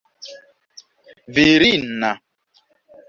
virina